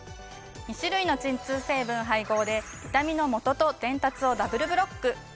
２種類の鎮痛成分配合で痛みのもとと伝達をダブルブロック。